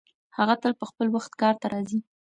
هغه تل په خپل وخت کار ته راځي.